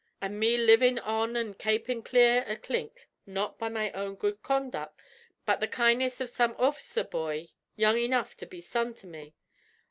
An' me livin' on an' kapin' clear o' clink not by my own good conduck, but the kindness av some orf'cer bhoy young enough to be son to me!